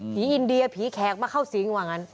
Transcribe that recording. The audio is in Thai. ปีอินเดียปีแขกมาเข้าศิลป์ไงว่างั้น